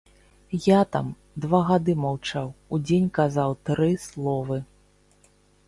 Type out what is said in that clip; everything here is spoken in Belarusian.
Я там два гады маўчаў, у дзень казаў тры словы.